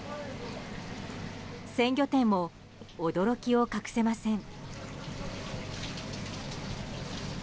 鮮魚店も、驚きを隠せません。